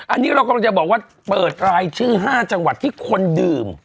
อันนี้เรากำลังจะบอกว่าเปิดรายชื่อ๕จังหวัดที่คนดื่ม